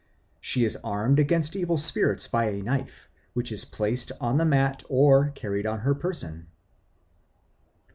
She is armed against evil spirits by a knife, which is placed on the mat or carried on her person.